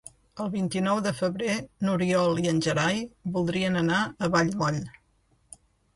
El vint-i-nou de febrer n'Oriol i en Gerai voldrien anar a Vallmoll.